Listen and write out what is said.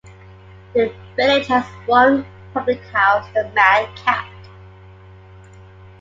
The village has one public house, The Mad Cat.